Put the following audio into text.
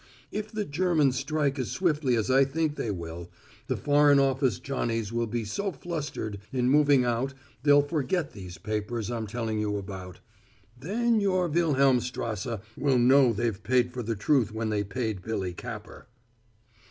If the Germans strike as swiftly as I think they will the foreign office Johnnies will be so flustered in moving out they'll forget these papers I'm telling you about. Then your Wilhelmstrasse will know they've paid for the truth when they paid Billy Capper."